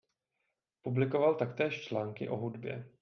Publikoval taktéž články o hudbě.